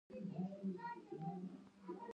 دریم انتخاب وکړه دا د کامیابۍ درې شرطونه دي.